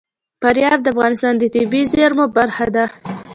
فاریاب د افغانستان د طبیعي زیرمو برخه ده.